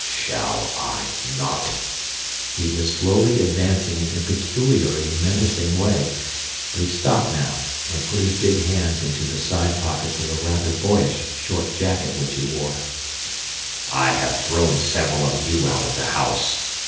"Shall I not?" He was slowly advancing in a peculiarly menacing way, but he stopped now and put his big hands into the side pockets of a rather boyish short jacket which he wore. "I have thrown several of you out of the house.